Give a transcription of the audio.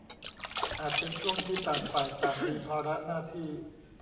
อาจเป็นช่วงที่ต่างฝ่ายต่างมีภาระหน้าที่